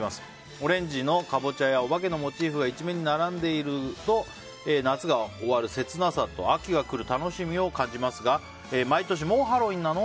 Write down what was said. オレンジのカボチャやオバケのモチーフが一面に並んでいると夏が終わる切なさと秋が来る楽しみを感じますが毎年もうハロウィーンなの？